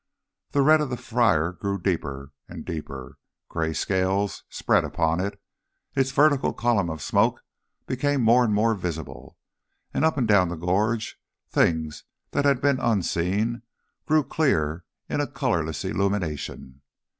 The red of the fire grew deeper and deeper, grey scales spread upon it, its vertical column of smoke became more and more visible, and up and down the gorge things that had been unseen grew clear in a colourless illumination.